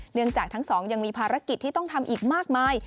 เนื่องจากทั้งสองยังมีภารกิจที่ต้องทำอีกมากมาย